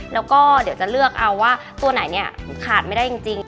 แล้วก็เดี๋ยวจะเลือกเอาว่าตัวไหนเนี่ยขาดไม่ได้จริง